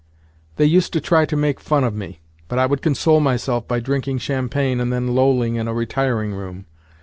They used to try to make fun of me, but I would console myself by drinking champagne and then lolling in a retiring room.